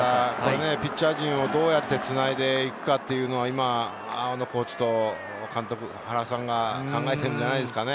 ピッチャー陣をどうやってつないで行くかっていうのは、今、阿波野コーチと監督、原さんが考えているんじゃないですか？